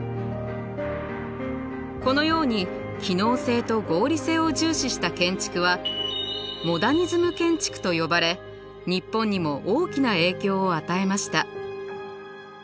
このように機能性と合理性を重視した建築はモダニズム建築と呼ばれ日本にも大きな影響を与えました。